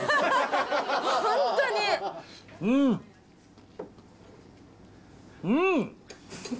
うん、うーん！